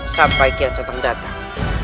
sampai kiam santam datang